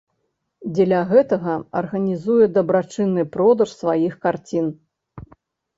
Дзеля гэтага арганізуе дабрачынны продаж сваіх карцін.